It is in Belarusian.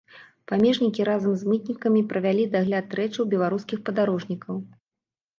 Памежнікі разам з мытнікамі правялі дагляд рэчаў беларускіх падарожнікаў.